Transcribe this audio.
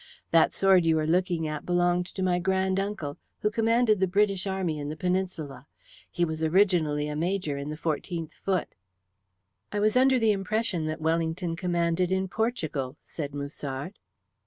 That sword you are looking at belonged to my grand uncle, who commanded the British Army in the Peninsula. He was originally a major in the 14th Foot." "I was under the impression that Wellington commanded in Portugal," said Musard.